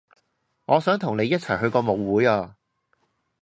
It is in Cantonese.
我想同你一齊去個舞會啊